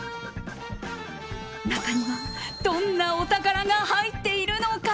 中にはどんなお宝が入っているのか。